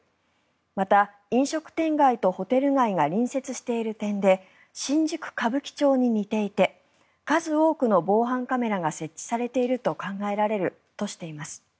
また、飲食店街とホテル街が隣接している点で新宿・歌舞伎町に似ていて数多くの防犯カメラが設置されていると考えられるとしています。